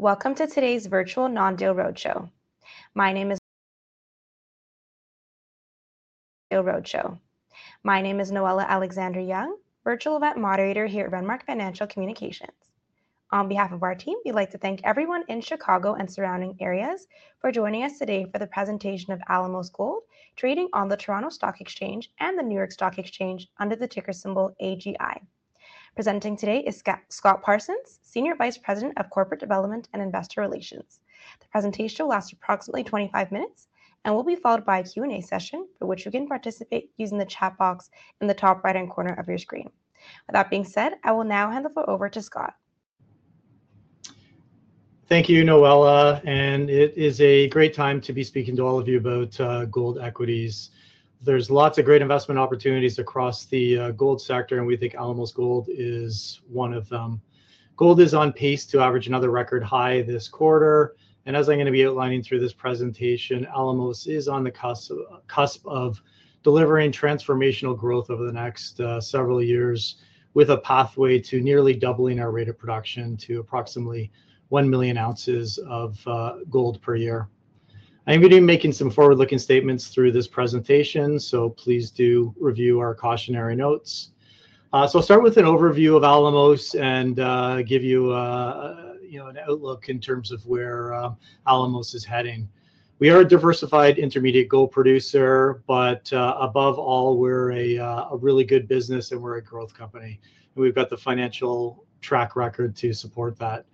Welcome to today's virtual Non-Deal Roadshow. My name is Noella Alexander-Young, Virtual Event Moderator here at Renmark Financial Communications. On behalf of our team, we'd like to thank everyone in Chicago and surrounding areas for joining us today for the presentation of Alamos Gold, trading on the Toronto Stock Exchange and the New York Stock Exchange under the ticker symbol AGI. Presenting today is Scott Parsons, Senior Vice President of Corporate Development and Investor Relations. The presentation will last approximately 25 minutes and will be followed by a Q&A session for which you can participate using the chat box in the top right-hand corner of your screen. With that being said, I will now hand the floor over to Scott. Thank you, Noella, and it is a great time to be speaking to all of you about gold equities. There are lots of great investment opportunities across the gold sector, and we think Alamos Gold is one of them. Gold is on pace to average another record high this quarter, and as I am going to be outlining through this presentation, Alamos is on the cusp of delivering transformational growth over the next several years with a pathway to nearly doubling our rate of production to approximately 1 million oz of gold per year. I am going to be making some forward-looking statements through this presentation, so please do review our cautionary notes. I will start with an overview of Alamos and give you an outlook in terms of where Alamos is heading. We are a diversified intermediate gold producer, but above all, we are a really good business and we are a growth company. We've got the financial track record to support that.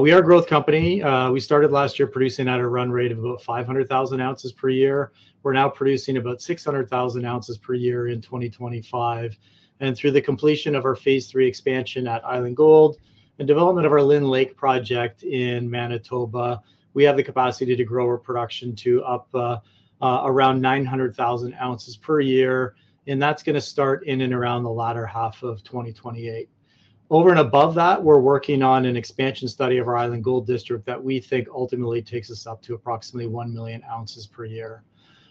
We are a growth company. We started last year producing at a run rate of about 500,000 oz per year. We're now producing about 600,000 oz per year in 2025. Through the completion of our Phase 3+ expansion at Island Gold and development of our Lynn Lake project in Manitoba, we have the capacity to grow our production to up around 900,000 oz per year, and that's going to start in and around the latter half of 2028. Over and above that, we're working on an expansion study of our Island Gold District that we think ultimately takes us up to approximately 1 million oz per year.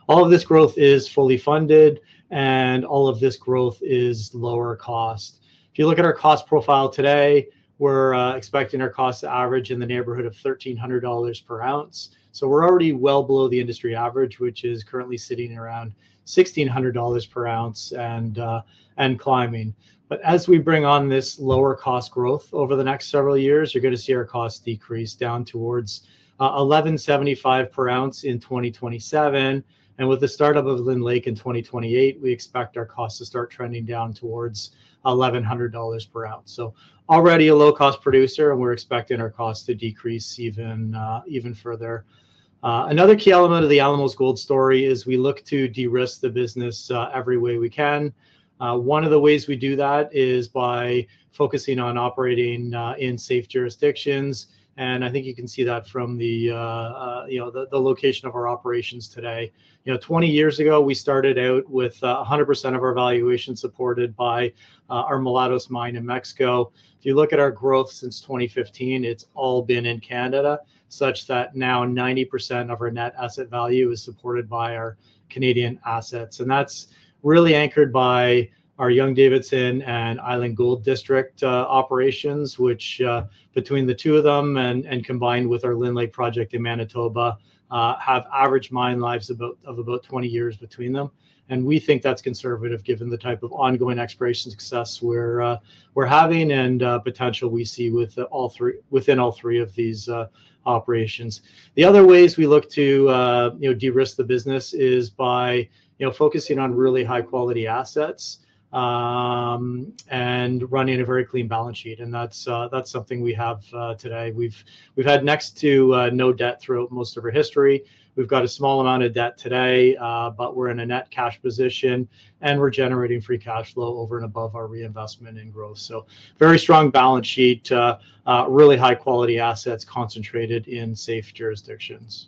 All of this growth is fully funded, and all of this growth is lower cost. If you look at our cost profile today, we're expecting our cost to average in the neighborhood of $1,300 per ounce. We are already well below the industry average, which is currently sitting around $1,600 per ounce and climbing. As we bring on this lower cost growth over the next several years, you're going to see our cost decrease down towards $1,175 per ounce in 2027. With the startup of Lynn Lake in 2028, we expect our cost to start trending down towards $1,100 per ounce. We are already a low-cost producer, and we're expecting our cost to decrease even further. Another key element of the Alamos Gold story is we look to de-risk the business every way we can. One of the ways we do that is by focusing on operating in safe jurisdictions. I think you can see that from the location of our operations today. Twenty years ago, we started out with 100% of our valuation supported by our Mulatos mine in Mexico. If you look at our growth since 2015, it's all been in Canada, such that now 90% of our net asset value is supported by our Canadian assets. That is really anchored by our Young-Davidson and Island Gold District operations, which between the two of them and combined with our Lynn Lake project in Manitoba have average mine lives of about 20 years between them. We think that's conservative given the type of ongoing exploration success we're having and potential we see within all three of these operations. The other ways we look to de-risk the business is by focusing on really high-quality assets and running a very clean balance sheet. That is something we have today. We've had next to no debt throughout most of our history. We've got a small amount of debt today, but we're in a net cash position and we're generating free cash flow over and above our reinvestment in growth. Very strong balance sheet, really high-quality assets concentrated in safe jurisdictions.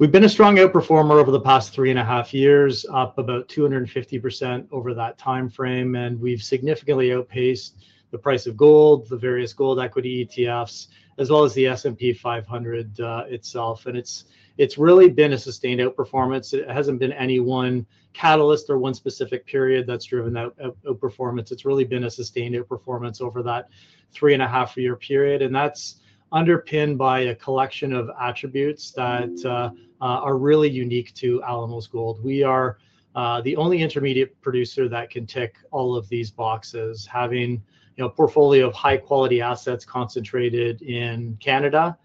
We've been a strong outperformer over the past three and a half years, up about 250% over that time frame, and we've significantly outpaced the price of gold, the various gold equity ETFs, as well as the S&P 500 itself. It's really been a sustained outperformance. It hasn't been any one catalyst or one specific period that's driven that outperformance. It's really been a sustained outperformance over that three and a half year period. That's underpinned by a collection of attributes that are really unique to Alamos Gold. We are the only intermediate producer that can tick all of these boxes, having a portfolio of high-quality assets concentrated in Canada.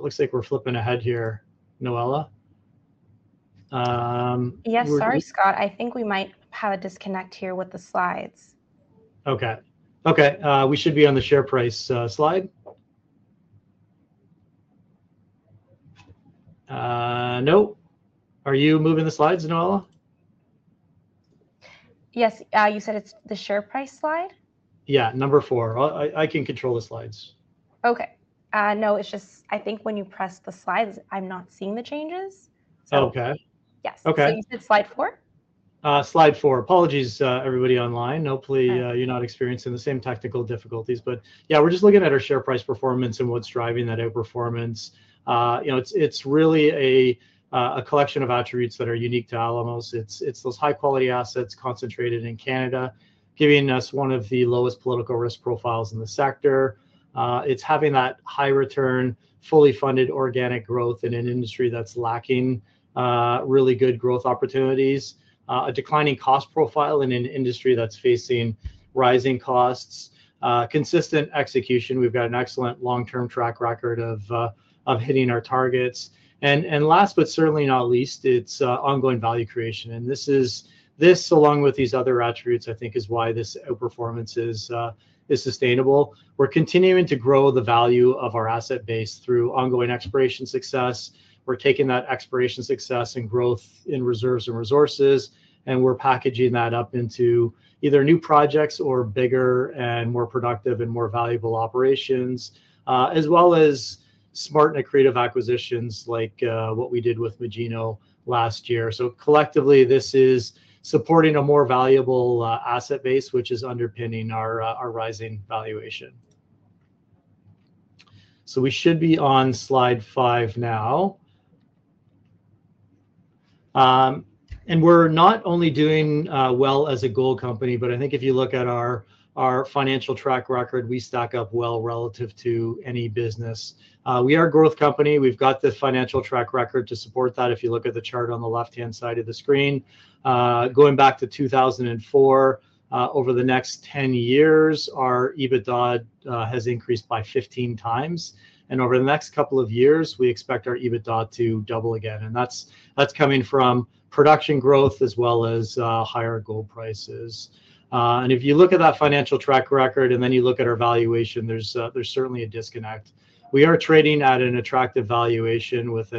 Looks like we're flipping ahead here. Noella? Yes, sorry, Scott. I think we might have a disconnect here with the slides. Okay. Okay. We should be on the share price slide. Nope. Are you moving the slides, Noella? Yes. You said it's the share price slide? Yeah, number four. I can control the slides. Okay. No, it's just I think when you press the slides, I'm not seeing the changes. Okay. Yes. So you said slide four? Slide four. Apologies, everybody online. Hopefully, you're not experiencing the same technical difficulties. Yeah, we're just looking at our share price performance and what's driving that outperformance. It's really a collection of attributes that are unique to Alamos. It's those high-quality assets concentrated in Canada, giving us one of the lowest political risk profiles in the sector. It's having that high-return, fully funded organic growth in an industry that's lacking really good growth opportunities, a declining cost profile in an industry that's facing rising costs, consistent execution. We've got an excellent long-term track record of hitting our targets. Last, but certainly not least, it's ongoing value creation. This, along with these other attributes, I think is why this outperformance is sustainable. We're continuing to grow the value of our asset base through ongoing exploration success. We're taking that exploration success and growth in reserves and resources, and we're packaging that up into either new projects or bigger and more productive and more valuable operations, as well as smart and accretive acquisitions like what we did with Magino last year. Collectively, this is supporting a more valuable asset base, which is underpinning our rising valuation. We should be on slide five now. We're not only doing well as a gold company, but I think if you look at our financial track record, we stack up well relative to any business. We are a growth company. We've got the financial track record to support that. If you look at the chart on the left-hand side of the screen, going back to 2004, over the next 10 years, our EBITDA has increased by 15 times. Over the next couple of years, we expect our EBITDA to double again. That is coming from production growth as well as higher gold prices. If you look at that financial track record and then you look at our valuation, there is certainly a disconnect. We are trading at an attractive valuation with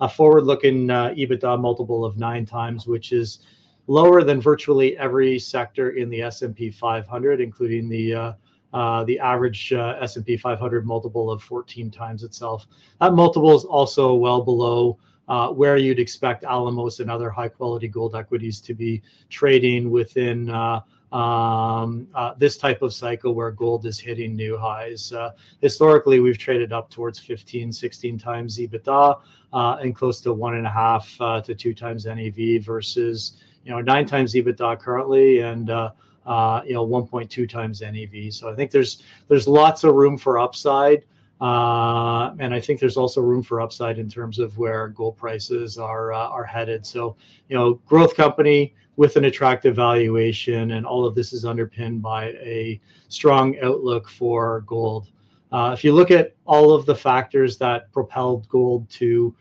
a forward-looking EBITDA multiple of nine times, which is lower than virtually every sector in the S&P 500, including the average S&P 500 multiple of 14 times itself. That multiple is also well below where you would expect Alamos and other high-quality gold equities to be trading within this type of cycle where gold is hitting new highs. Historically, we have traded up towards 15-16 times EBITDA and close to one and a half to two times NAV versus nine times EBITDA currently and 1.2 times NAV. I think there is lots of room for upside. I think there is also room for upside in terms of where gold prices are headed. Growth company with an attractive valuation and all of this is underpinned by a strong outlook for gold. If you look at all of the factors that propelled gold to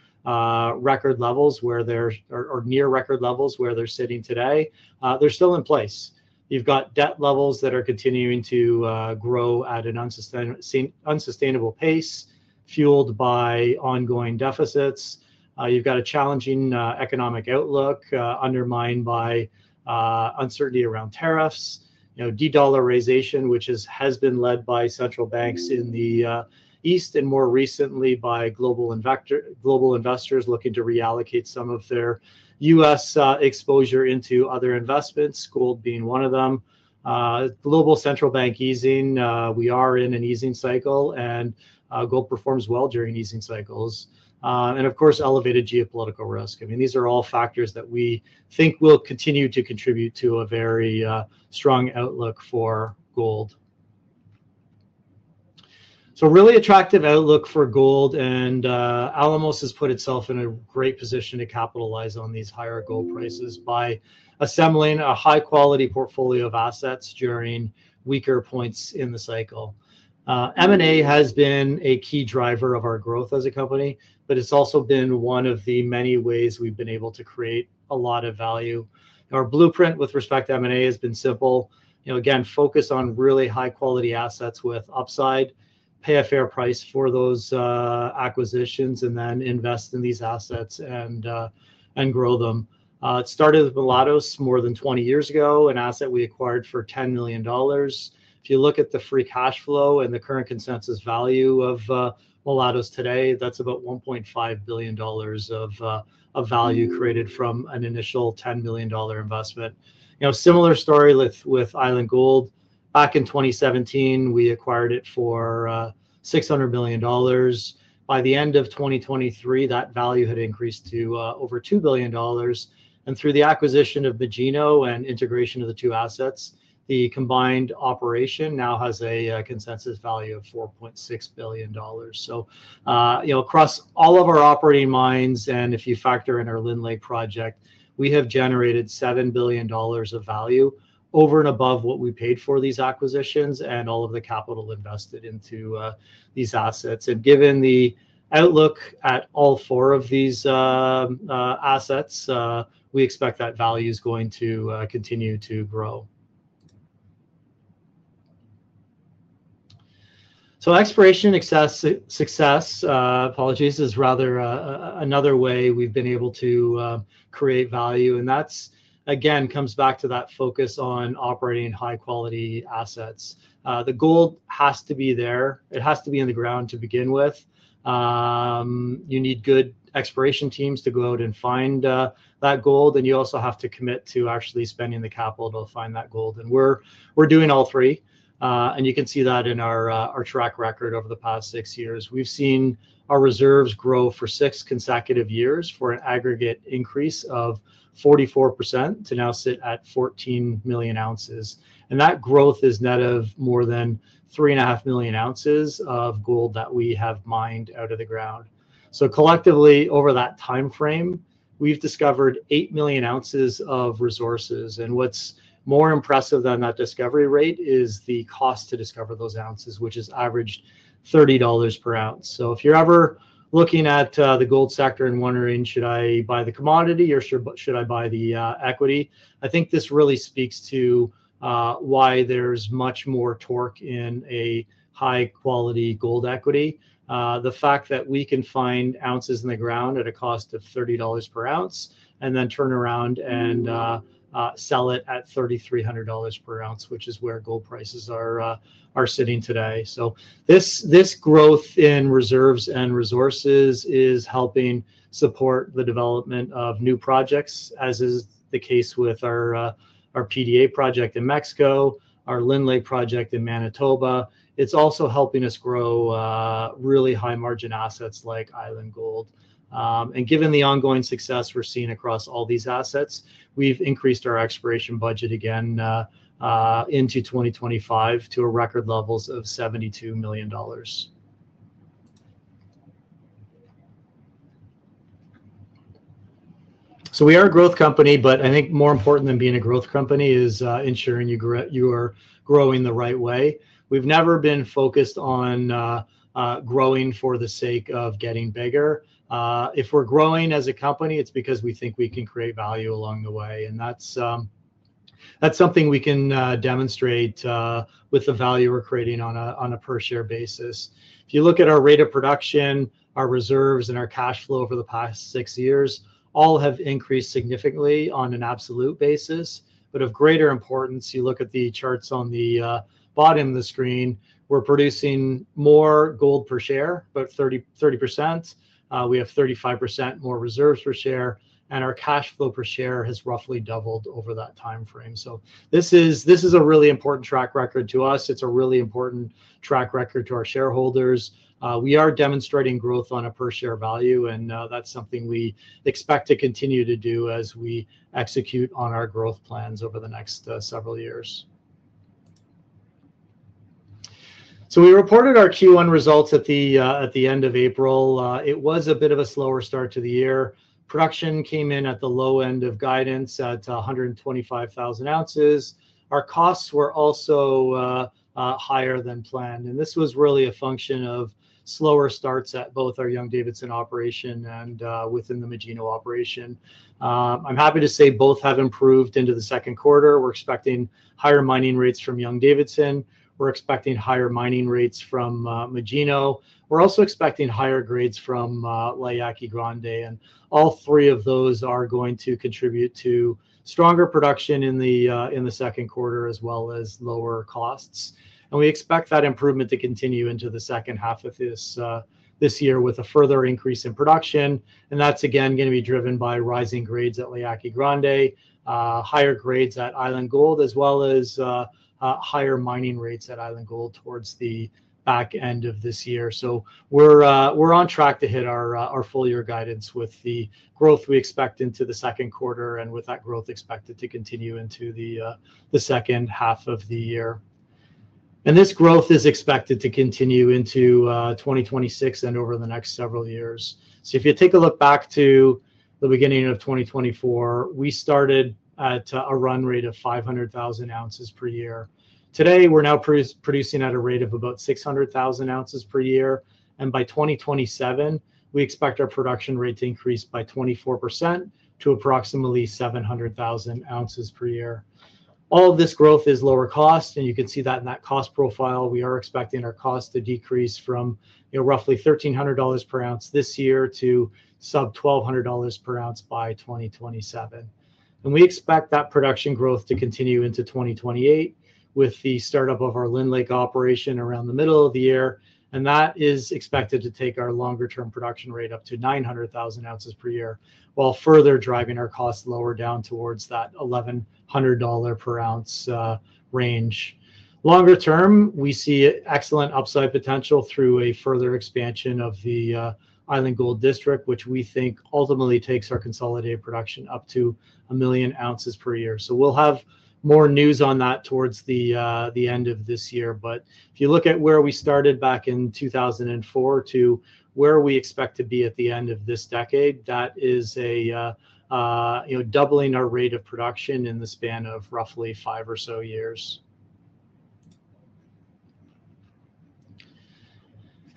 record levels or near record levels where they are sitting today, they are still in place. You have got debt levels that are continuing to grow at an unsustainable pace fueled by ongoing deficits. You have got a challenging economic outlook undermined by uncertainty around tariffs, de-dollarization, which has been led by central banks in the East and more recently by global investors looking to reallocate some of their U.S. exposure into other investments, gold being one of them. Global central bank easing, we are in an easing cycle and gold performs well during easing cycles. Of course, elevated geopolitical risk. I mean, these are all factors that we think will continue to contribute to a very strong outlook for gold. Really attractive outlook for gold. Alamos has put itself in a great position to capitalize on these higher gold prices by assembling a high-quality portfolio of assets during weaker points in the cycle. M&A has been a key driver of our growth as a company, but it has also been one of the many ways we have been able to create a lot of value. Our blueprint with respect to M&A has been simple. Again, focus on really high-quality assets with upside, pay a fair price for those acquisitions, and then invest in these assets and grow them. It started with Mulatos more than 20 years ago, an asset we acquired for $10 million. If you look at the free cash flow and the current consensus value of Mulatos today, that's about $1.5 billion of value created from an initial $10 million investment. Similar story with Island Gold. Back in 2017, we acquired it for $600 million. By the end of 2023, that value had increased to over $2 billion. Through the acquisition of Magino and integration of the two assets, the combined operation now has a consensus value of $4.6 billion. Across all of our operating mines, and if you factor in our Lynn Lake project, we have generated $7 billion of value over and above what we paid for these acquisitions and all of the capital invested into these assets. Given the outlook at all four of these assets, we expect that value is going to continue to grow. Expiration success, apologies, is rather another way we've been able to create value. That, again, comes back to that focus on operating high-quality assets. The gold has to be there. It has to be in the ground to begin with. You need good expiration teams to go out and find that gold. You also have to commit to actually spending the capital to find that gold. We're doing all three. You can see that in our track record over the past six years. We've seen our reserves grow for six consecutive years for an aggregate increase of 44% to now sit at 14 million oz. That growth is net of more than 3.5 million oz of gold that we have mined out of the ground. Collectively, over that time frame, we've discovered 8 million oz of resources. What's more impressive than that discovery rate is the cost to discover those ounces, which has averaged $30 per ounce. If you're ever looking at the gold sector and wondering, should I buy the commodity or should I buy the equity, I think this really speaks to why there's much more torque in a high-quality gold equity. The fact that we can find ounces in the ground at a cost of $30 per ounce and then turn around and sell it at $3,300 per ounce, which is where gold prices are sitting today. This growth in reserves and resources is helping support the development of new projects, as is the case with our PDA project in Mexico, our Lynn Lake project in Manitoba. It's also helping us grow really high-margin assets like Island Gold. Given the ongoing success we're seeing across all these assets, we've increased our exploration budget again into 2025 to record levels of $72 million. We are a growth company, but I think more important than being a growth company is ensuring you are growing the right way. We've never been focused on growing for the sake of getting bigger. If we're growing as a company, it's because we think we can create value along the way. That's something we can demonstrate with the value we're creating on a per-share basis. If you look at our rate of production, our reserves, and our cash flow over the past six years, all have increased significantly on an absolute basis. Of greater importance, you look at the charts on the bottom of the screen, we're producing more gold per share, about 30%. We have 35% more reserves per share, and our cash flow per share has roughly doubled over that time frame. This is a really important track record to us. It's a really important track record to our shareholders. We are demonstrating growth on a per-share value, and that's something we expect to continue to do as we execute on our growth plans over the next several years. We reported our Q1 results at the end of April. It was a bit of a slower start to the year. Production came in at the low end of guidance at 125,000 oz. Our costs were also higher than planned. This was really a function of slower starts at both our Young-Davidson operation and within the Magino operation. I'm happy to say both have improved into the second quarter. We're expecting higher mining rates from Young-Davidson. We're expecting higher mining rates from Magino. We're also expecting higher grades from La Yaqui Grande. All three of those are going to contribute to stronger production in the second quarter as well as lower costs. We expect that improvement to continue into the second half of this year with a further increase in production. That's, again, going to be driven by rising grades at La Yaqui Grande, higher grades at Island Gold, as well as higher mining rates at Island Gold towards the back end of this year. We're on track to hit our full year guidance with the growth we expect into the second quarter and with that growth expected to continue into the second half of the year. This growth is expected to continue into 2026 and over the next several years. If you take a look back to the beginning of 2024, we started at a run rate of 500,000 oz per year. Today, we're now producing at a rate of about 600,000 oz per year. By 2027, we expect our production rate to increase by 24% to approximately 700,000 oz per year. All of this growth is lower cost, and you can see that in that cost profile. We are expecting our cost to decrease from roughly $1,300 per ounce this year to sub $1,200 per ounce by 2027. We expect that production growth to continue into 2028 with the startup of our Lynn Lake operation around the middle of the year. That is expected to take our longer-term production rate up to 900,000 oz per year while further driving our costs lower down towards that $1,100 per ounce range. Longer term, we see excellent upside potential through a further expansion of the Island Gold District, which we think ultimately takes our consolidated production up to a million ounces per year. We will have more news on that towards the end of this year. If you look at where we started back in 2004 to where we expect to be at the end of this decade, that is doubling our rate of production in the span of roughly five or so years.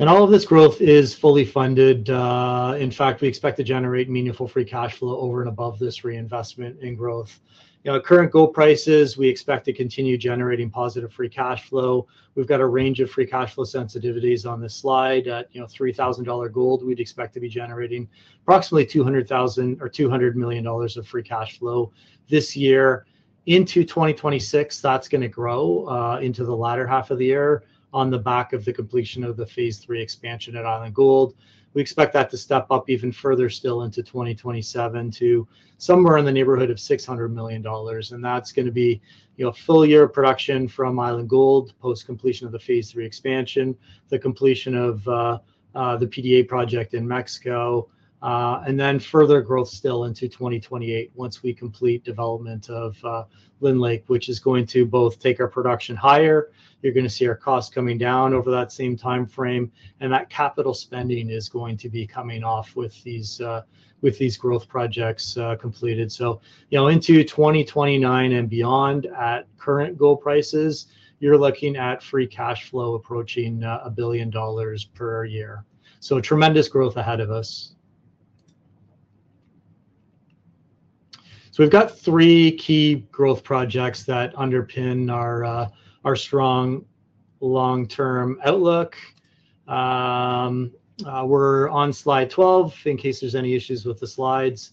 All of this growth is fully funded. In fact, we expect to generate meaningful free cash flow over and above this reinvestment in growth. At current gold prices, we expect to continue generating positive free cash flow. We have got a range of free cash flow sensitivities on this slide. At $3,000 gold, we'd expect to be generating approximately $200 million of free cash flow this year. Into 2026, that's going to grow into the latter half of the year on the back of the completion of the Phase 3+ expansion at Island Gold. We expect that to step up even further still into 2027 to somewhere in the neighborhood of $600 million. That is going to be full year production from Island Gold post-completion of the Phase 3+ expansion, the completion of the PDA project in Mexico, and then further growth still into 2028 once we complete development of Lynn Lake, which is going to both take our production higher. You're going to see our costs coming down over that same time frame. That capital spending is going to be coming off with these growth projects completed. Into 2029 and beyond, at current gold prices, you're looking at free cash flow approaching $1 billion per year. Tremendous growth ahead of us. We've got three key growth projects that underpin our strong long-term outlook. We're on slide 12 in case there's any issues with the slides.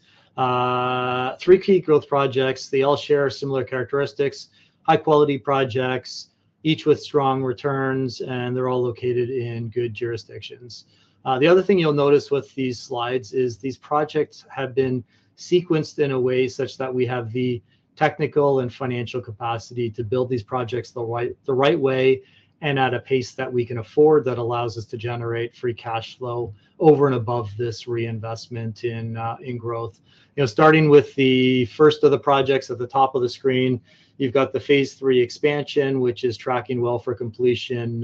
Three key growth projects, they all share similar characteristics, high-quality projects, each with strong returns, and they're all located in good jurisdictions. The other thing you'll notice with these slides is these projects have been sequenced in a way such that we have the technical and financial capacity to build these projects the right way and at a pace that we can afford that allows us to generate free cash flow over and above this reinvestment in growth. Starting with the first of the projects at the top of the screen, you've got the Phase 3+ expansion, which is tracking well for completion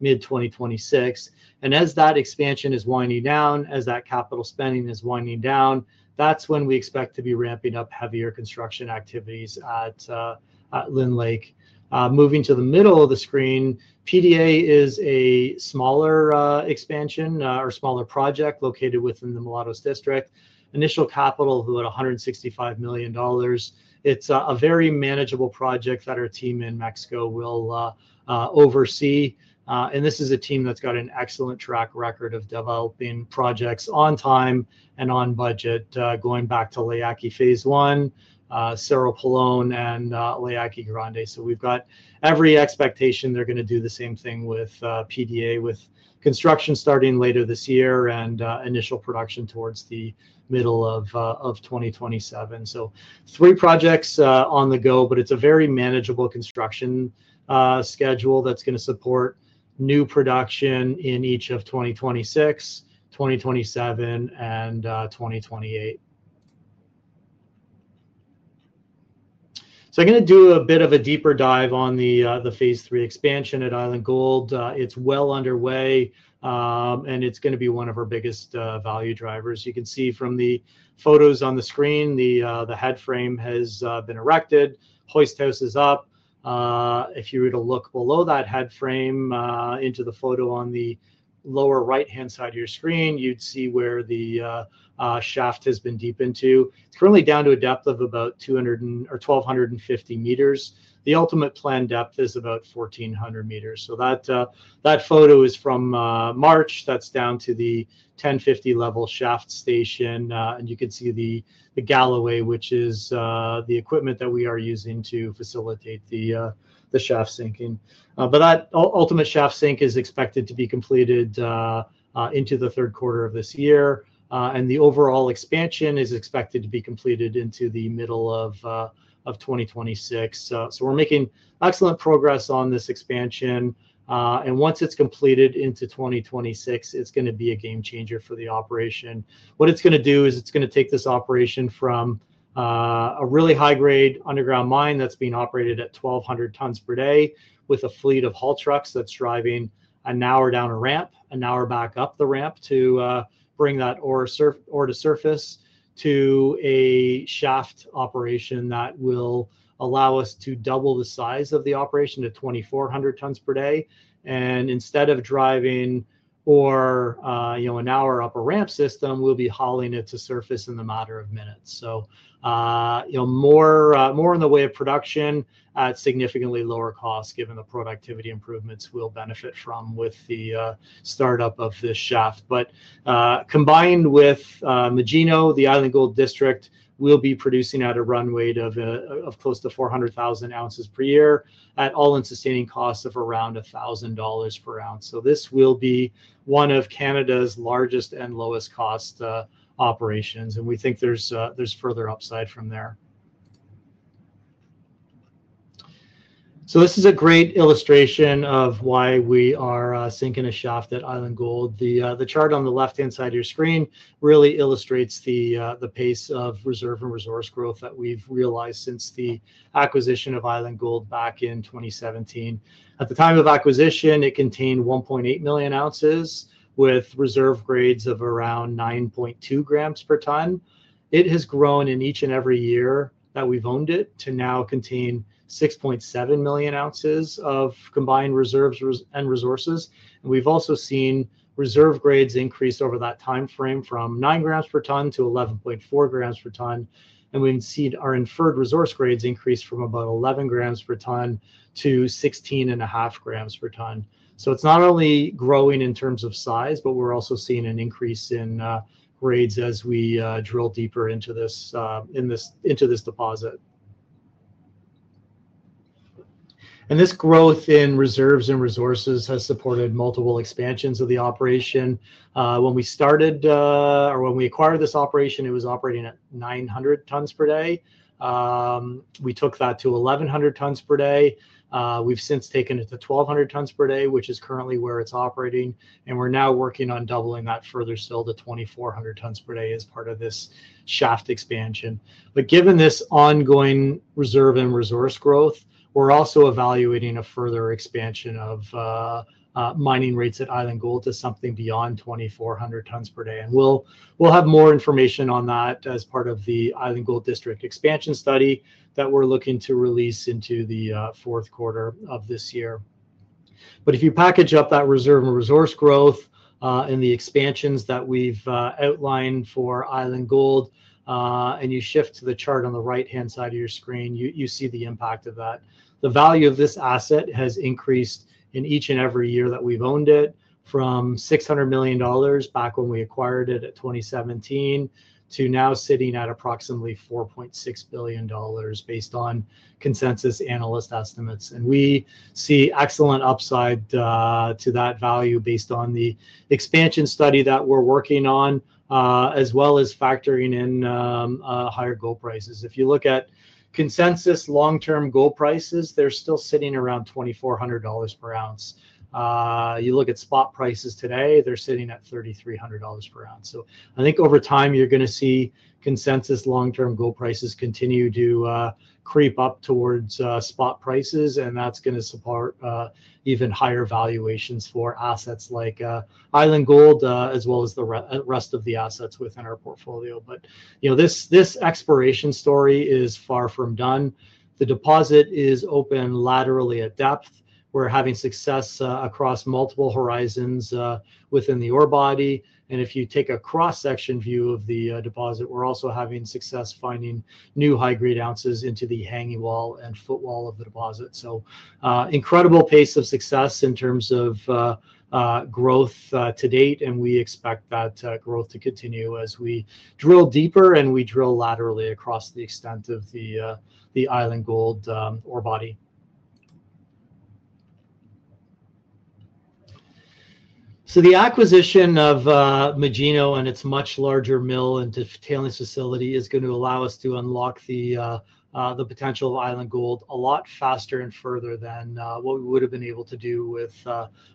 mid-2026. As that expansion is winding down, as that capital spending is winding down, that's when we expect to be ramping up heavier construction activities at Lynn Lake. Moving to the middle of the screen, PDA is a smaller expansion or smaller project located within the Mulatos District. Initial capital of about $165 million. It's a very manageable project that our team in Mexico will oversee. This is a team that's got an excellent track record of developing projects on time and on budget, going back to La Yaqui Phase I, Cerro Pelon, and La Yaqui Grande. We've got every expectation they're going to do the same thing with PDA, with construction starting later this year and initial production towards the middle of 2027. Three projects on the go, but it's a very manageable construction schedule that's going to support new production in each of 2026, 2027, and 2028. I'm going to do a bit of a deeper dive on the Phase 3+ expansion at Island Gold. It's well underway, and it's going to be one of our biggest value drivers. You can see from the photos on the screen, the head frame has been erected. Hoist house is up. If you were to look below that head frame into the photo on the lower right-hand side of your screen, you'd see where the shaft has been deepened to. It's currently down to a depth of about 1,250 m. The ultimate planned depth is about 1,400 m. That photo is from March. That's down to the 1,050-level shaft station. You can see the galloway, which is the equipment that we are using to facilitate the shaft sinking. That ultimate shaft sink is expected to be completed into the third quarter of this year. The overall expansion is expected to be completed into the middle of 2026. We are making excellent progress on this expansion. Once it is completed into 2026, it is going to be a game changer for the operation. What it is going to do is take this operation from a really high-grade underground mine that is being operated at 1,200 tonnes per day with a fleet of haul trucks that is driving an hour down a ramp, an hour back up the ramp to bring that ore to surface, to a shaft operation that will allow us to double the size of the operation to 2,400 tonnes per day. Instead of driving for an hour up a ramp system, we'll be hauling it to surface in a matter of minutes. More in the way of production at significantly lower cost, given the productivity improvements we'll benefit from with the startup of this shaft. Combined with Magino, the Island Gold District will be producing at a run rate of close to 400,000 oz per year at all-in sustaining cost of around $1,000 per ounce. This will be one of Canada's largest and lowest-cost operations. We think there's further upside from there. This is a great illustration of why we are sinking a shaft at Island Gold. The chart on the left-hand side of your screen really illustrates the pace of reserve and resource growth that we've realized since the acquisition of Island Gold back in 2017. At the time of acquisition, it contained 1.8 million oz with reserve grades of around 9.2 grams per tonne. It has grown in each and every year that we've owned it to now contain 6.7 million oz of combined reserves and resources. We've also seen reserve grades increase over that time frame from 9 grams per tonne to 11.4 grams per tonne. We've seen our inferred resource grades increase from about 11 grams per tonne to 16.5 grams per tonne. It is not only growing in terms of size, but we're also seeing an increase in grades as we drill deeper into this deposit. This growth in reserves and resources has supported multiple expansions of the operation. When we started or when we acquired this operation, it was operating at 900 tonnes per day. We took that to 1,100 tonnes per day. We've since taken it to 1,200 tonnes per day, which is currently where it's operating. We're now working on doubling that further still to 2,400 tonnes per day as part of this shaft expansion. Given this ongoing reserve and resource growth, we're also evaluating a further expansion of mining rates at Island Gold to something beyond 2,400 tonnes per day. We'll have more information on that as part of the Island Gold District expansion study that we're looking to release into the fourth quarter of this year. If you package up that reserve and resource growth and the expansions that we've outlined for Island Gold, and you shift to the chart on the right-hand side of your screen, you see the impact of that. The value of this asset has increased in each and every year that we've owned it from $600 million back when we acquired it in 2017 to now sitting at approximately $4.6 billion based on consensus analyst estimates. We see excellent upside to that value based on the expansion study that we're working on, as well as factoring in higher gold prices. If you look at consensus long-term gold prices, they're still sitting around $2,400 per ounce. You look at spot prices today, they're sitting at $3,300 per ounce. I think over time, you're going to see consensus long-term gold prices continue to creep up towards spot prices. That's going to support even higher valuations for assets like Island Gold, as well as the rest of the assets within our portfolio. This exploration story is far from done. The deposit is open laterally at depth. We're having success across multiple horizons within the ore body. If you take a cross-section view of the deposit, we're also having success finding new high-grade ounces into the hanging wall and footwall of the deposit. Incredible pace of success in terms of growth to date. We expect that growth to continue as we drill deeper and we drill laterally across the extent of the Island Gold ore body. The acquisition of Magino and its much larger mill and tailings facility is going to allow us to unlock the potential of Island Gold a lot faster and further than what we would have been able to do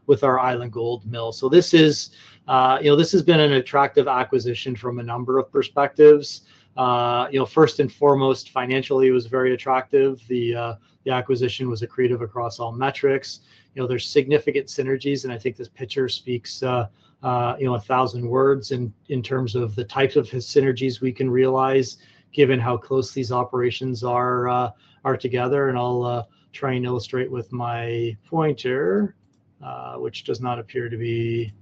with our Island Gold mill. This has been an attractive acquisition from a number of perspectives. First and foremost, financially, it was very attractive. The acquisition was accretive across all metrics. There's significant synergies, and I think this picture speaks a thousand words in terms of the types of synergies we can realize, given how close these operations are together. I'll try and illustrate with my pointer, which does not appear to be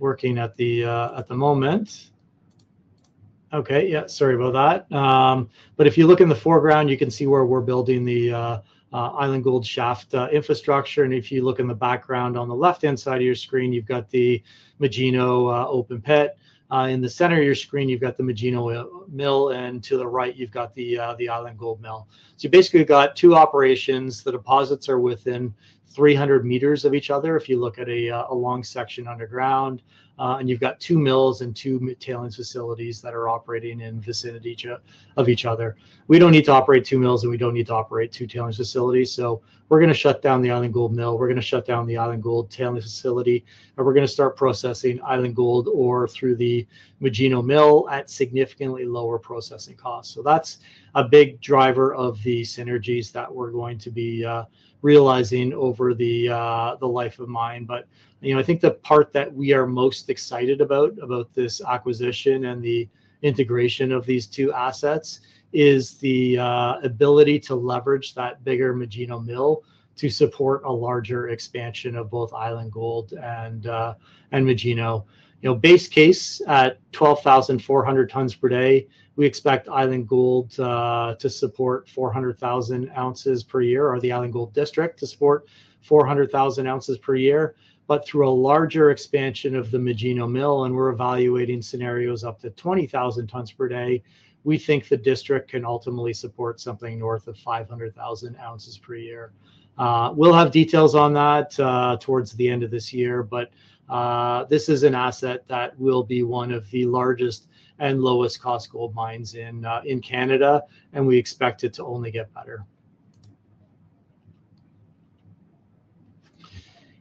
working at the moment. Okay. Yeah. Sorry about that. If you look in the foreground, you can see where we're building the Island Gold shaft infrastructure. If you look in the background on the left-hand side of your screen, you've got the Magino open pit. In the center of your screen, you've got the Magino mill, and to the right, you've got the Island Gold mill. You basically have two operations that deposits are within 300 m of each other if you look at a long section underground. You've got two mills and two tailings facilities that are operating in vicinity of each other. We don't need to operate two mills, and we don't need to operate two tailings facilities. We're going to shut down the Island Gold mill. We're going to shut down the Island Gold tailings facility. We're going to start processing Island Gold ore through the Magino mill at significantly lower processing costs. That's a big driver of the synergies that we're going to be realizing over the life of mine. I think the part that we are most excited about, about this acquisition and the integration of these two assets, is the ability to leverage that bigger Magino mill to support a larger expansion of both Island Gold and Magino. Base case at 12,400 tonnes per day, we expect Island Gold to support 400,000 oz per year or the Island Gold District to support 400,000 oz per year. Through a larger expansion of the Magino mill, and we're evaluating scenarios up to 20,000 tonnes per day, we think the district can ultimately support something north of 500,000 oz per year. We'll have details on that towards the end of this year. This is an asset that will be one of the largest and lowest-cost gold mines in Canada, and we expect it to only get better.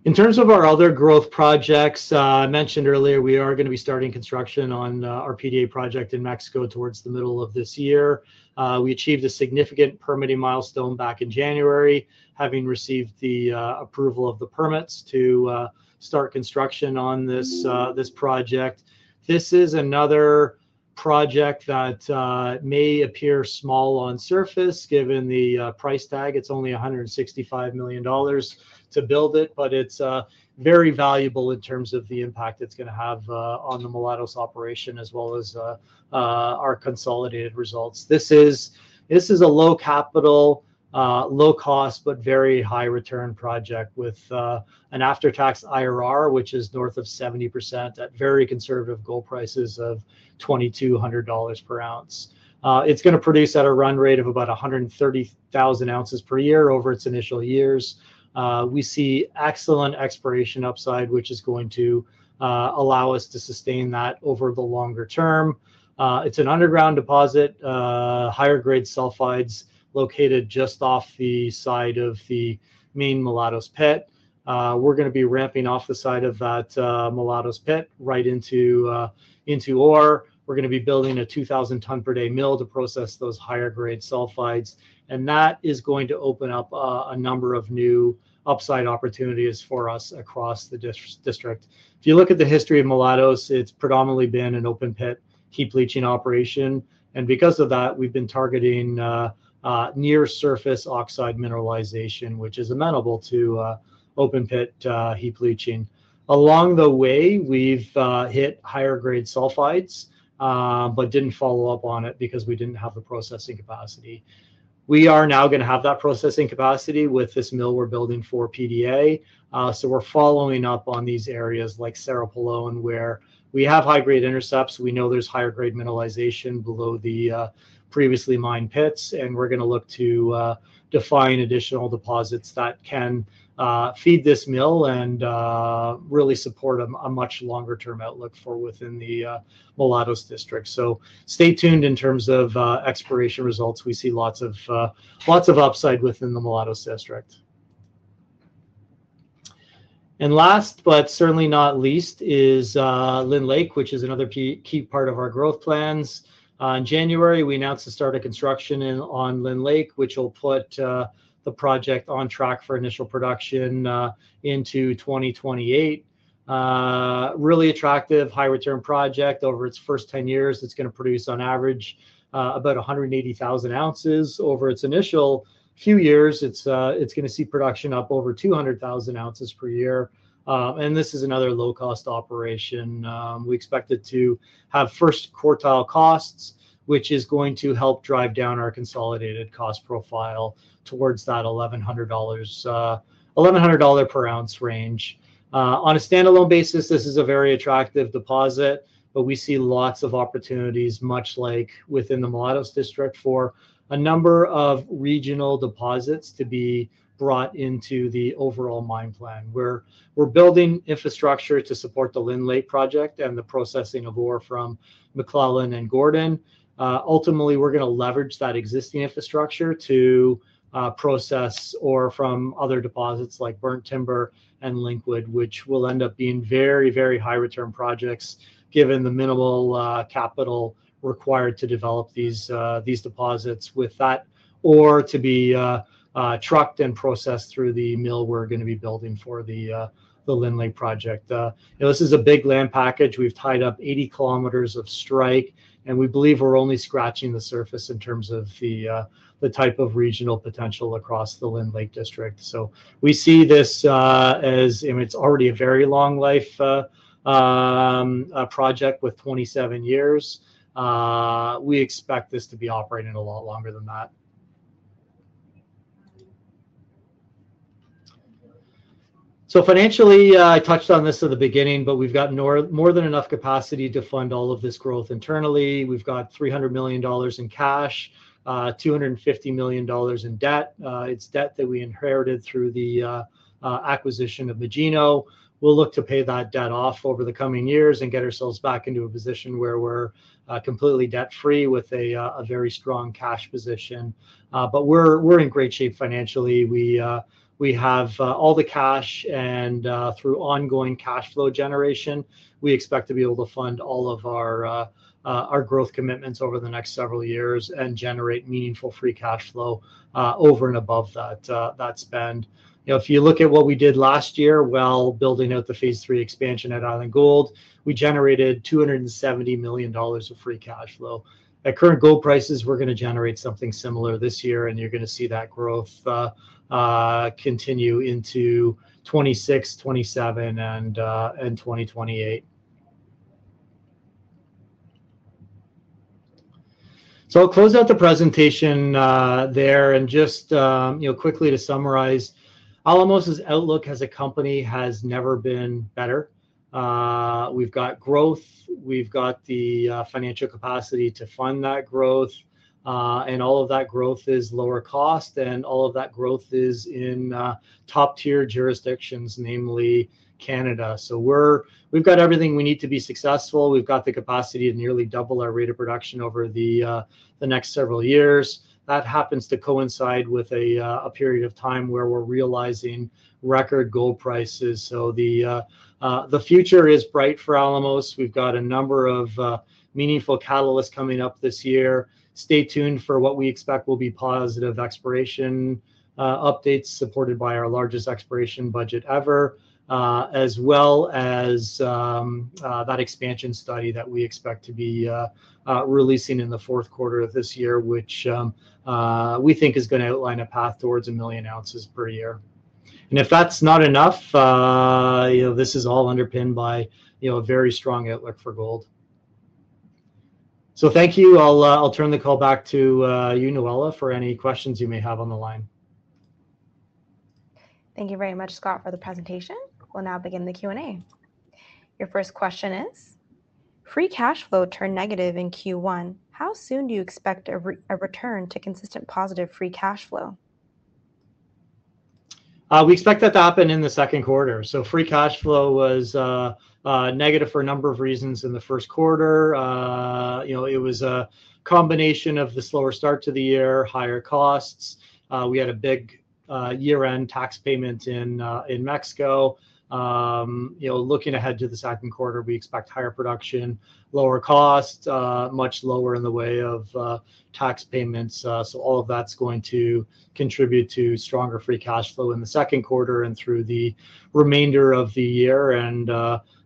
In terms of our other growth projects, I mentioned earlier we are going to be starting construction on our PDA project in Mexico towards the middle of this year. We achieved a significant permitting milestone back in January, having received the approval of the permits to start construction on this project. This is another project that may appear small on surface, given the price tag. It's only $165 million to build it, but it's very valuable in terms of the impact it's going to have on the Mulatos operation as well as our consolidated results. This is a low-capital, low-cost, but very high-return project with an after-tax IRR, which is north of 70% at very conservative gold prices of $2,200 per ounce. It's going to produce at a run rate of about 130,000 oz per year over its initial years. We see excellent exploration upside, which is going to allow us to sustain that over the longer term. It's an underground deposit, higher-grade sulfides located just off the side of the main Mulatos pit. We're going to be ramping off the side of that Mulatos pit right into ore. We're going to be building a 2,000-tonne-per-day mill to process those higher-grade sulfides. That is going to open up a number of new upside opportunities for us across the district. If you look at the history of Mulatos, it's predominantly been an open-pit heap leaching operation. Because of that, we've been targeting near-surface oxide mineralization, which is amenable to open-pit heap leaching. Along the way, we've hit higher-grade sulfides, but didn't follow up on it because we didn't have the processing capacity. We are now going to have that processing capacity with this mill we're building for PDA. We're following up on these areas like Cerro Pelon, where we have high-grade intercepts. We know there's higher-grade mineralization below the previously mined pits. We're going to look to define additional deposits that can feed this mill and really support a much longer-term outlook for within the Mulatos District. Stay tuned in terms of exploration results. We see lots of upside within the Mulatos District. Last, but certainly not least, is Lynn Lake, which is another key part of our growth plans. In January, we announced the start of construction on Lynn Lake, which will put the project on track for initial production into 2028. Really attractive, high-return project over its first 10 years. It's going to produce on average about 180,000 oz over its initial few years. It's going to see production up over 200,000 oz per year. This is another low-cost operation. We expect it to have first quartile costs, which is going to help drive down our consolidated cost profile towards that $1,100 per ounce range. On a standalone basis, this is a very attractive deposit, but we see lots of opportunities, much like within the Mulatos District, for a number of regional deposits to be brought into the overall mine plan. We're building infrastructure to support the Lynn Lake project and the processing of ore from MacLellan and Gordon. Ultimately, we're going to leverage that existing infrastructure to process ore from other deposits like Burnt Timber and Linkwood, which will end up being very, very high-return projects given the minimal capital required to develop these deposits with that ore to be trucked and processed through the mill we're going to be building for the Lynn Lake project. This is a big land package. We've tied up 80 km of strike. We believe we're only scratching the surface in terms of the type of regional potential across the Lynn Lake district. We see this as it's already a very long-life project with 27 years. We expect this to be operating a lot longer than that. Financially, I touched on this at the beginning, but we've got more than enough capacity to fund all of this growth internally. We've got $300 million in cash, $250 million in debt. It's debt that we inherited through the acquisition of Magino. We'll look to pay that debt off over the coming years and get ourselves back into a position where we're completely debt-free with a very strong cash position. We're in great shape financially. We have all the cash. Through ongoing cash flow generation, we expect to be able to fund all of our growth commitments over the next several years and generate meaningful free cash flow over and above that spend. If you look at what we did last year while building out the Phase 3+ expansion at Island Gold, we generated $270 million of free cash flow. At current gold prices, we're going to generate something similar this year. You are going to see that growth continue into 2026, 2027, and 2028. I will close out the presentation there. Just quickly to summarize, Alamos's outlook as a company has never been better. We have got growth. We have got the financial capacity to fund that growth. All of that growth is lower cost. All of that growth is in top-tier jurisdictions, namely Canada. We have got everything we need to be successful. We have got the capacity to nearly double our rate of production over the next several years. That happens to coincide with a period of time where we are realizing record gold prices. The future is bright for Alamos. We've got a number of meaningful catalysts coming up this year. Stay tuned for what we expect will be positive exploration updates supported by our largest exploration budget ever, as well as that expansion study that we expect to be releasing in the fourth quarter of this year, which we think is going to outline a path towards a million ounces per year. If that's not enough, this is all underpinned by a very strong outlook for gold. Thank you. I'll turn the call back to you, Noella, for any questions you may have on the line. Thank you very much, Scott, for the presentation. We'll now begin the Q&A. Your first question is, free cash flow turned negative in Q1. How soon do you expect a return to consistent positive free cash flow? We expect that to happen in the second quarter. Free cash flow was negative for a number of reasons in the first quarter. It was a combination of the slower start to the year, higher costs. We had a big year-end tax payment in Mexico. Looking ahead to the second quarter, we expect higher production, lower costs, much lower in the way of tax payments. All of that is going to contribute to stronger free cash flow in the second quarter and through the remainder of the year.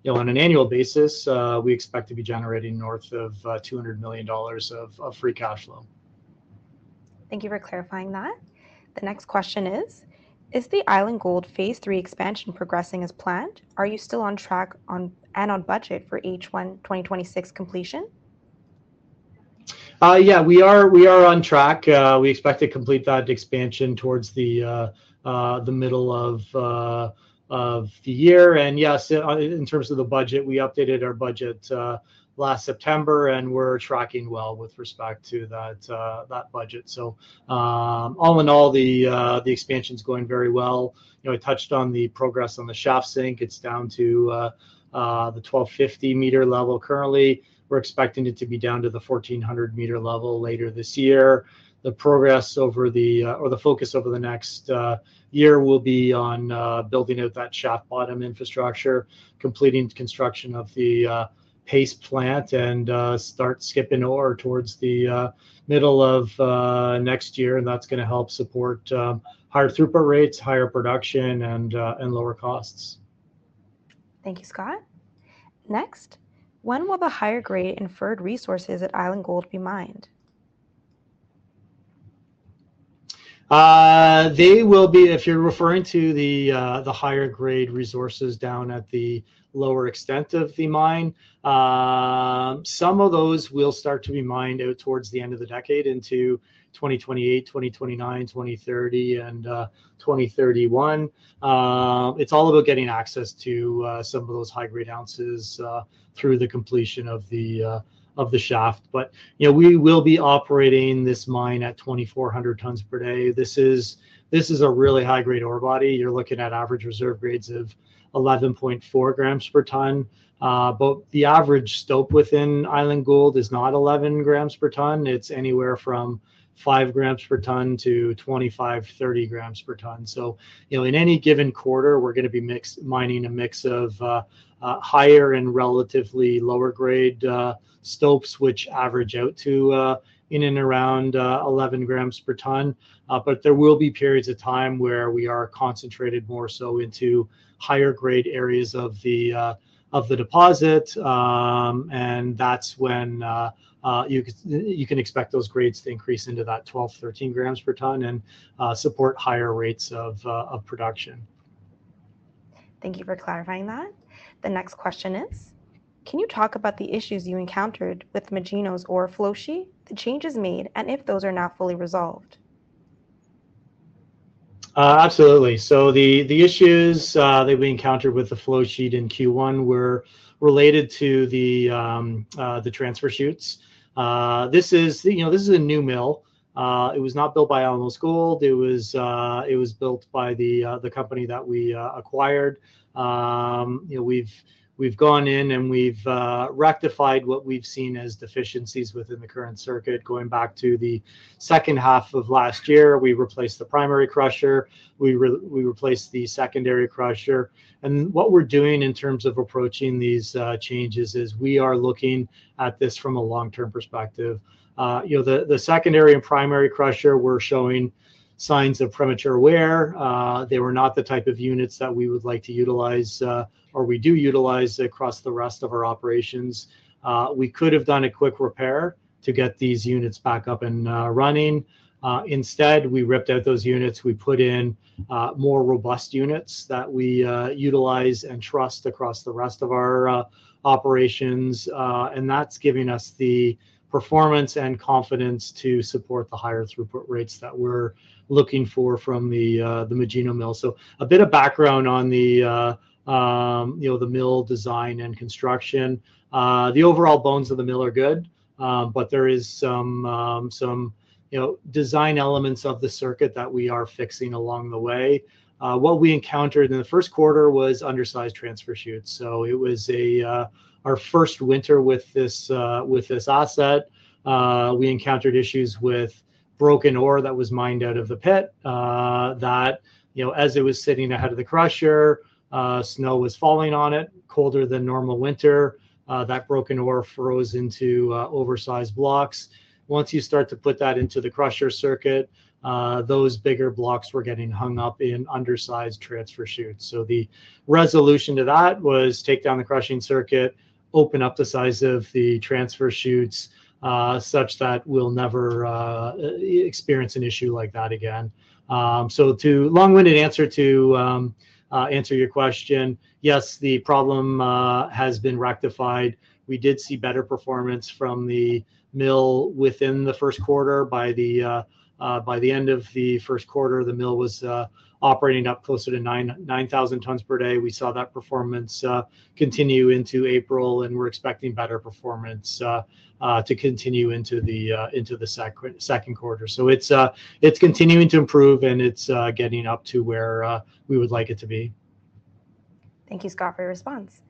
On an annual basis, we expect to be generating north of $200 million of free cash flow. Thank you for clarifying that. The next question is, is the Island Gold Phase 3+ expansion progressing as planned? Are you still on track and on budget for H1 2026 completion? Yeah, we are on track. We expect to complete that expansion towards the middle of the year. Yes, in terms of the budget, we updated our budget last September, and we're tracking well with respect to that budget. All in all, the expansion's going very well. I touched on the progress on the shaft sink. It's down to the 1,250-meter level currently. We're expecting it to be down to the 1,400-meter level later this year. The focus over the next year will be on building out that shaft bottom infrastructure, completing construction of the pace plant, and start skipping ore towards the middle of next year. That's going to help support higher throughput rates, higher production, and lower costs. Thank you, Scott. Next, when will the higher-grade inferred resources at Island Gold be mined? They will be if you're referring to the higher-grade resources down at the lower extent of the mine. Some of those will start to be mined out towards the end of the decade into 2028, 2029, 2030, and 2031. It is all about getting access to some of those high-grade ounces through the completion of the shaft. We will be operating this mine at 2,400 tonnes per day. This is a really high-grade ore body. You're looking at average reserve grades of 11.4 g per tonne. The average stope within Island Gold is not 11 g per tonne. It is anywhere from 5 g per tonne to 25-30 g per tonne. In any given quarter, we are going to be mining a mix of higher and relatively lower-grade stopes, which average out to in and around 11 g per tonne. There will be periods of time where we are concentrated more so into higher-grade areas of the deposit. That is when you can expect those grades to increase into that 12-13 g per tonne and support higher rates of production. Thank you for clarifying that. The next question is, can you talk about the issues you encountered with Magino's ore flow sheet, the changes made, and if those are now fully resolved? Absolutely. The issues that we encountered with the flow sheet in Q1 were related to the transfer chutes. This is a new mill. It was not built by Alamos Gold. It was built by the company that we acquired. We have gone in and we have rectified what we have seen as deficiencies within the current circuit going back to the second half of last year. We replaced the primary crusher. We replaced the secondary crusher. What we are doing in terms of approaching these changes is we are looking at this from a long-term perspective. The secondary and primary crusher were showing signs of premature wear. They were not the type of units that we would like to utilize or we do utilize across the rest of our operations. We could have done a quick repair to get these units back up and running. Instead, we ripped out those units. We put in more robust units that we utilize and trust across the rest of our operations. That is giving us the performance and confidence to support the higher throughput rates that we are looking for from the Magino mill. A bit of background on the mill design and construction. The overall bones of the mill are good, but there are some design elements of the circuit that we are fixing along the way. What we encountered in the first quarter was undersized transfer chutes. It was our first winter with this asset. We encountered issues with broken ore that was mined out of the pit that, as it was sitting ahead of the crusher, snow was falling on it, colder than normal winter. That broken ore froze into oversized blocks. Once you start to put that into the crusher circuit, those bigger blocks were getting hung up in undersized transfer chutes. The resolution to that was take down the crushing circuit, open up the size of the transfer chutes such that we'll never experience an issue like that again. To long-winded answer to answer your question, yes, the problem has been rectified. We did see better performance from the mill within the first quarter. By the end of the first quarter, the mill was operating up closer to 9,000 tonnes per day. We saw that performance continue into April, and we're expecting better performance to continue into the second quarter. It is continuing to improve, and it is getting up to where we would like it to be. Thank you, Scott, for your response.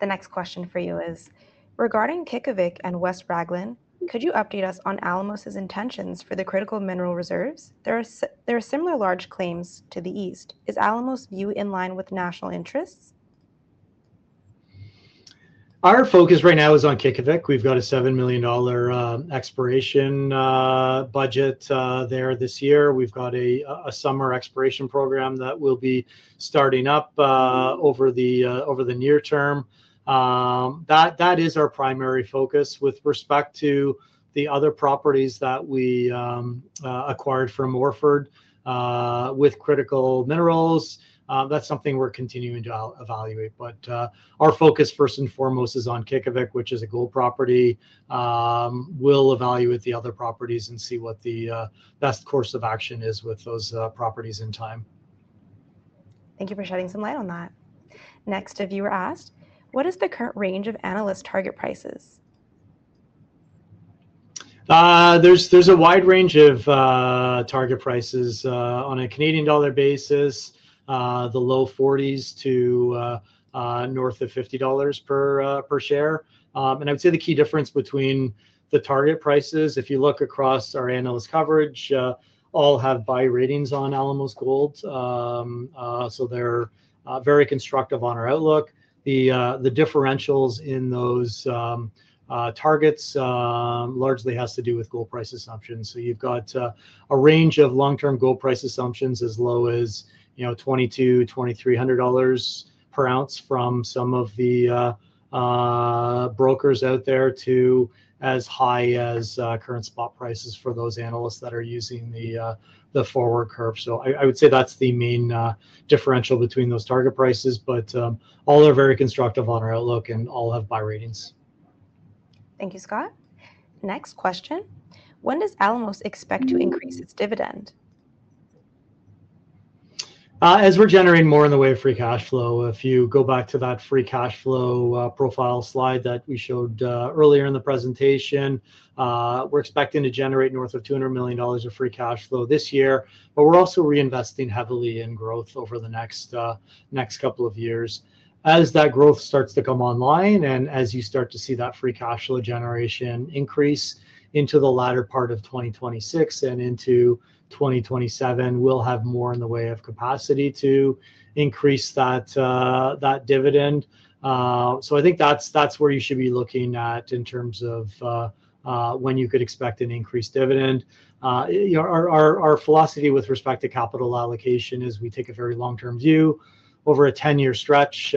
The next question for you is, regarding Qiqavik and West Raglan, could you update us on Alamos's intentions for the critical mineral reserves? There are similar large claims to the east. Is Alamos's view in line with national interests? Our focus right now is on Qiqavik. We have a $7 million exploration budget there this year. We have a summer exploration program that will be starting up over the near term. That is our primary focus with respect to the other properties that we acquired from Orford with critical minerals. That's something we're continuing to evaluate. Our focus, first and foremost, is on Qiqavik, which is a gold property. We'll evaluate the other properties and see what the best course of action is with those properties in time. Thank you for shedding some light on that. Next, a viewer asked, what is the current range of analyst target prices? There's a wide range of target prices on a Canadian dollar basis, the low CAD 40s to north of 50 dollars per share. I would say the key difference between the target prices, if you look across our analyst coverage, all have buy ratings on Alamos Gold. They're very constructive on our outlook. The differentials in those targets largely have to do with gold price assumptions. You have got a range of long-term gold price assumptions as low as $2,200-$2,300 per ounce from some of the brokers out there to as high as current spot prices for those analysts that are using the forward curve. I would say that is the main differential between those target prices. All are very constructive on our outlook and all have buy ratings. Thank you, Scott. Next question, when does Alamos expect to increase its dividend? As we are generating more in the way of free cash flow, if you go back to that free cash flow profile slide that we showed earlier in the presentation, we are expecting to generate north of $200 million of free cash flow this year. We are also reinvesting heavily in growth over the next couple of years. As that growth starts to come online and as you start to see that free cash flow generation increase into the latter part of 2026 and into 2027, we'll have more in the way of capacity to increase that dividend. I think that's where you should be looking at in terms of when you could expect an increased dividend. Our philosophy with respect to capital allocation is we take a very long-term view. Over a 10-year stretch,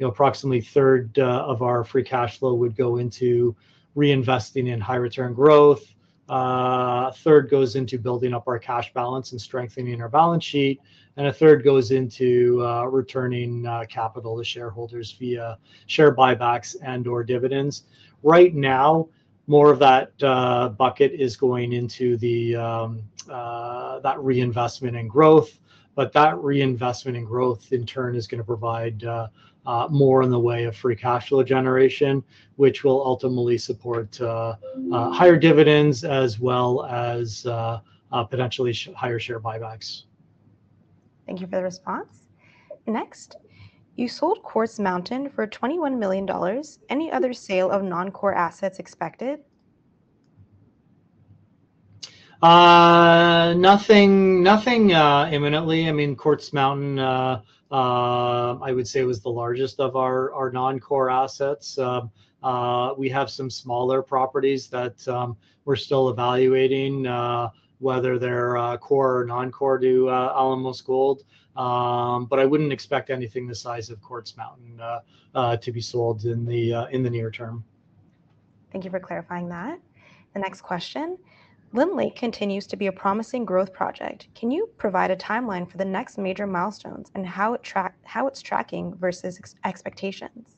approximately a third of our free cash flow would go into reinvesting in high-return growth. A third goes into building up our cash balance and strengthening our balance sheet. A third goes into returning capital to shareholders via share buybacks and/or dividends. Right now, more of that bucket is going into that reinvestment and growth. But that reinvestment and growth, in turn, is going to provide more in the way of free cash flow generation, which will ultimately support higher dividends as well as potentially higher share buybacks. Thank you for the response. Next, you sold Quartz Mountain for $21 million. Any other sale of non-core assets expected? Nothing imminently. I mean, Quartz Mountain, I would say, was the largest of our non-core assets. We have some smaller properties that we're still evaluating, whether they're core or non-core to Alamos Gold. But I wouldn't expect anything the size of Quartz Mountain to be sold in the near term. Thank you for clarifying that. The next question, Lynn Lake continues to be a promising growth project. Can you provide a timeline for the next major milestones and how it's tracking versus expectations?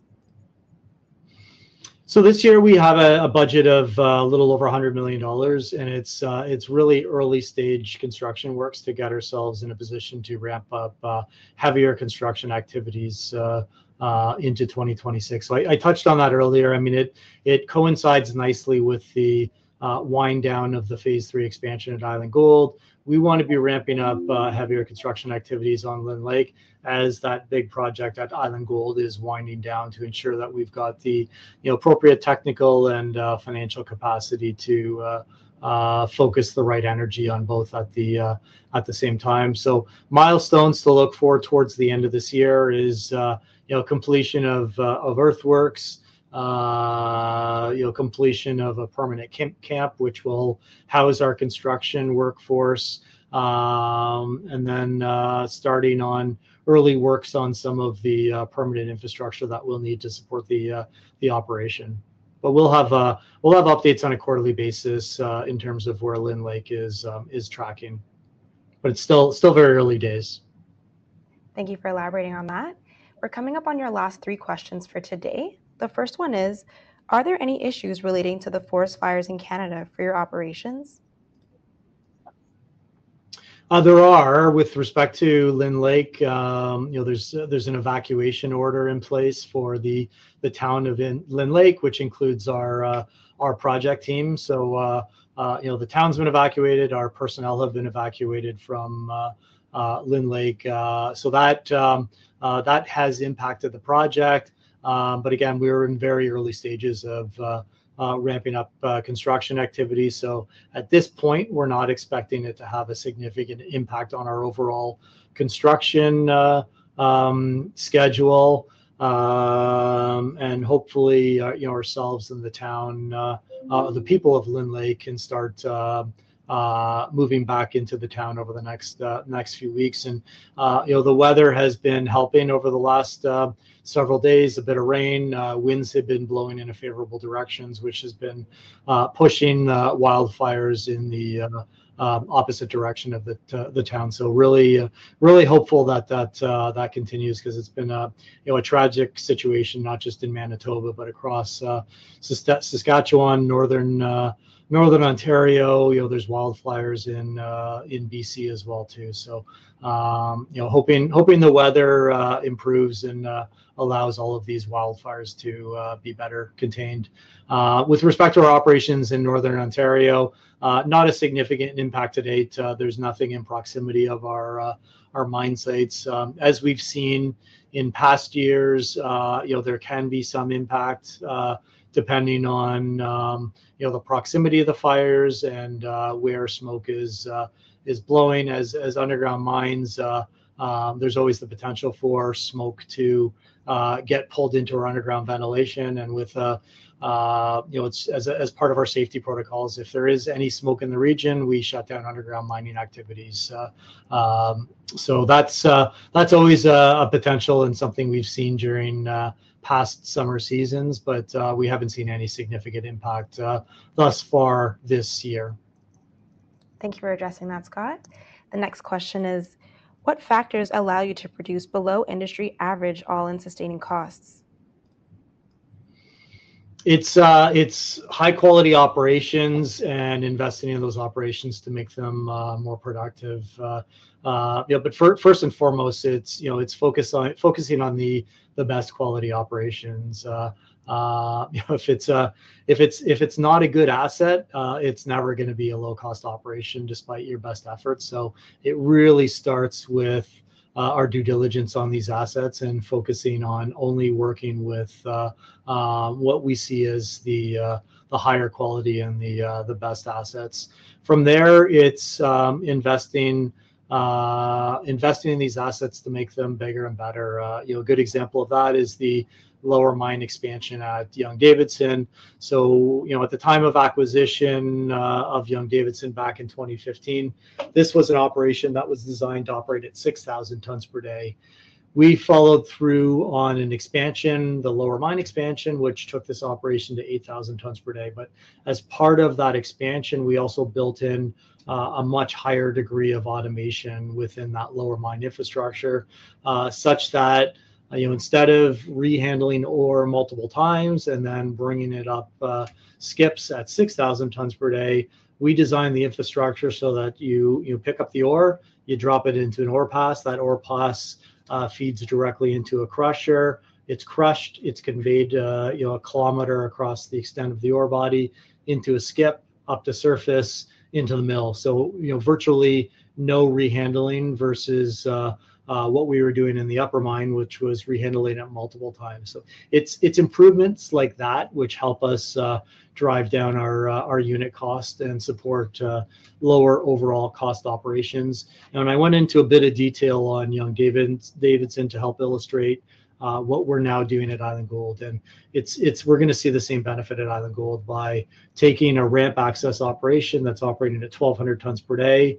So this year, we have a budget of a little over $100 million. It is really early-stage construction works to get ourselves in a position to ramp up heavier construction activities into 2026. I touched on that earlier. I mean, it coincides nicely with the wind down of the Phase 3+ Expansion at Island Gold. We want to be ramping up heavier construction activities on Lynn Lake as that big project at Island Gold is winding down to ensure that we have the appropriate technical and financial capacity to focus the right energy on both at the same time. Milestones to look for towards the end of this year are completion of earthworks, completion of a permanent camp, which will house our construction workforce, and then starting on early works on some of the permanent infrastructure that we will need to support the operation. We will have updates on a quarterly basis in terms of where Lynn Lake is tracking. But it's still very early days. Thank you for elaborating on that. We're coming up on your last three questions for today. The first one is, are there any issues relating to the forest fires in Canada for your operations? There are. With respect to Lynn Lake, there's an evacuation order in place for the town of Lynn Lake, which includes our project team. So the town's been evacuated. Our personnel have been evacuated from Lynn Lake. That has impacted the project. Again, we're in very early stages of ramping up construction activity. At this point, we're not expecting it to have a significant impact on our overall construction schedule. Hopefully, ourselves and the people of Lynn Lake can start moving back into the town over the next few weeks. The weather has been helping over the last several days. A bit of rain. Winds have been blowing in favorable directions, which has been pushing wildfires in the opposite direction of the town. Really hopeful that that continues because it's been a tragic situation, not just in Manitoba, but across Saskatchewan, northern Ontario. There are wildfires in BC as well, too. Hoping the weather improves and allows all of these wildfires to be better contained. With respect to our operations in northern Ontario, not a significant impact to date. There is nothing in proximity of our mine sites. As we've seen in past years, there can be some impact depending on the proximity of the fires and where smoke is blowing. As underground mines, there is always the potential for smoke to get pulled into our underground ventilation. As part of our safety protocols, if there is any smoke in the region, we shut down underground mining activities. That's always a potential and something we've seen during past summer seasons. We haven't seen any significant impact thus far this year. Thank you for addressing that, Scott. The next question is, what factors allow you to produce below industry average all-in sustaining costs? It's high-quality operations and investing in those operations to make them more productive. First and foremost, it's focusing on the best quality operations. If it's not a good asset, it's never going to be a low-cost operation despite your best efforts. It really starts with our due diligence on these assets and focusing on only working with what we see as the higher quality and the best assets. From there, it's investing in these assets to make them bigger and better. A good example of that is the lower mine expansion at Young-Davidson. At the time of acquisition of Young-Davidson back in 2015, this was an operation that was designed to operate at 6,000 tonnes per day. We followed through on an expansion, the lower mine expansion, which took this operation to 8,000 tonnes per day. As part of that expansion, we also built in a much higher degree of automation within that lower mine infrastructure such that instead of rehandling ore multiple times and then bringing it up skips at 6,000 tonnes per day, we designed the infrastructure so that you pick up the ore, you drop it into an ore pass. That ore pass feeds directly into a crusher. It's crushed. It's conveyed a kilometer across the extent of the ore body into a skip, up to surface, into the mill. Virtually no rehandling versus what we were doing in the upper mine, which was rehandling it multiple times. It is improvements like that, which help us drive down our unit cost and support lower overall cost operations. I went into a bit of detail on Young Davidson to help illustrate what we are now doing at Island Gold. We are going to see the same benefit at Island Gold by taking a ramp access operation that is operating at 1,200 tonnes per day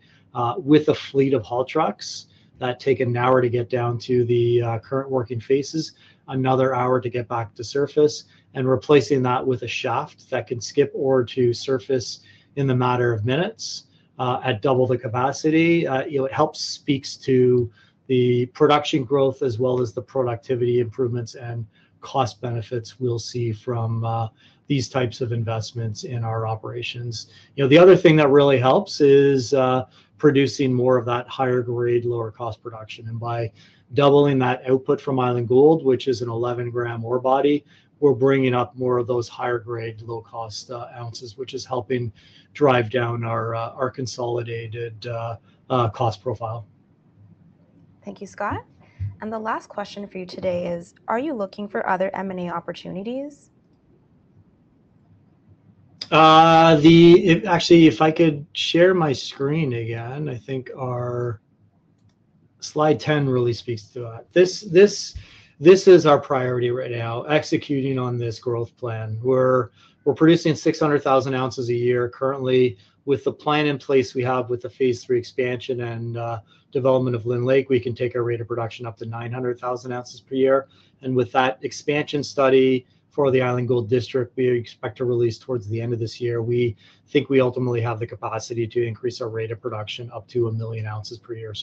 with a fleet of haul trucks that take an hour to get down to the current working faces, another hour to get back to surface, and replacing that with a shaft that can skip ore to surface in a matter of minutes at double the capacity. It helps speak to the production growth as well as the productivity improvements and cost benefits we will see from these types of investments in our operations. The other thing that really helps is producing more of that higher grade, lower cost production. By doubling that output from Island Gold, which is an 11-gram ore body, we are bringing up more of those higher grade, low-cost ounces, which is helping drive down our consolidated cost profile. Thank you, Scott. The last question for you today is, are you looking for other M&A opportunities? Actually, if I could share my screen again, I think our slide 10 really speaks to that. This is our priority right now, executing on this growth plan. We are producing 600,000 oz a year. Currently, with the plan in place we have with the Phase 3+ expansion and development of Lynn Lake, we can take our rate of production up to 900,000 oz per year. With that expansion study for the Island Gold District, we expect to release towards the end of this year, we think we ultimately have the capacity to increase our rate of production up to 1 million oz per year.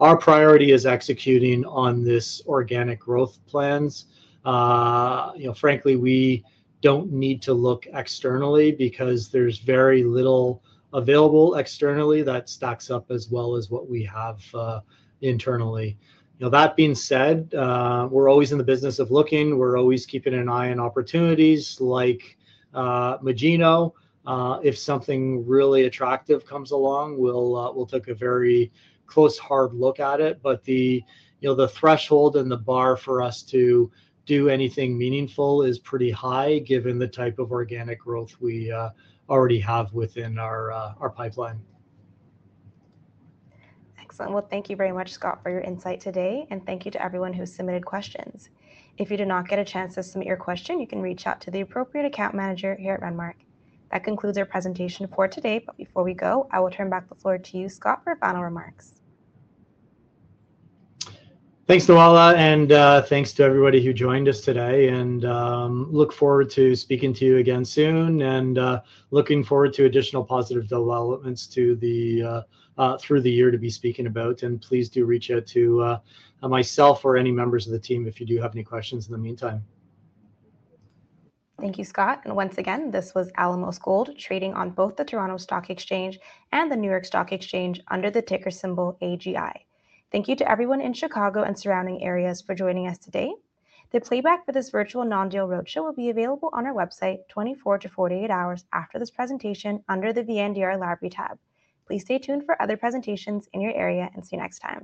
Our priority is executing on this organic growth plans. Frankly, we do not need to look externally because there is very little available externally that stacks up as well as what we have internally. That being said, we are always in the business of looking. We are always keeping an eye on opportunities like Magino. If something really attractive comes along, we will take a very close, hard look at it. The threshold and the bar for us to do anything meaningful is pretty high given the type of organic growth we already have within our pipeline. Excellent. Thank you very much, Scott, for your insight today. Thank you to everyone who submitted questions. If you did not get a chance to submit your question, you can reach out to the appropriate account manager here at Renmark. That concludes our presentation for today. Before we go, I will turn back the floor to you, Scott, for final remarks. Thanks, Noella. Thanks to everybody who joined us today. I look forward to speaking to you again soon and looking forward to additional positive developments through the year to be speaking about. Please do reach out to myself or any members of the team if you do have any questions in the meantime. Thank you, Scott. Once again, this was Alamos Gold trading on both the Toronto Stock Exchange and the New York Stock Exchange under the ticker symbol AGI. Thank you to everyone in Chicago and surrounding areas for joining us today. The playback for this virtual non-deal roadshow will be available on our website 24-48 hours after this presentation under the VNDR Library tab. Please stay tuned for other presentations in your area and see you next time.